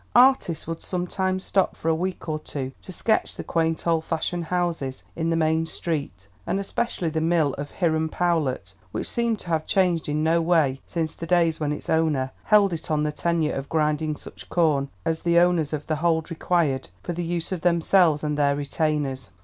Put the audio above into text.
Artists would sometimes stop for a week or two to sketch the quaint old fashioned houses in the main street, and especially the mill of Hiram Powlett, which seemed to have changed in no way since the days when its owner held it on the tenure of grinding such corn as the owners of The Hold required for the use of themselves and their retainers.